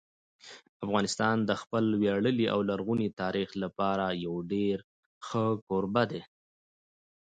افغانستان د خپل ویاړلي او لرغوني تاریخ لپاره یو ډېر ښه کوربه دی.